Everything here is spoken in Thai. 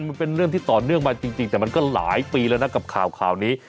มันเป็นเรื่องที่ต่อเนื่องมาจริงแต่มันก็หลายปีแล้วนะกับข่าวนี้